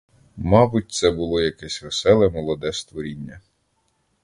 Мабуть, це було якесь веселе молоде створіння.